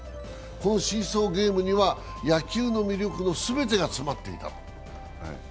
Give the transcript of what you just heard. このシーソーゲームには野球の魅力の全てが詰まっていたと。